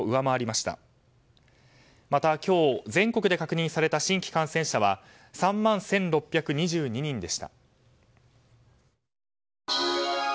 また、今日全国で確認された新規感染者は３万１６２２人でした。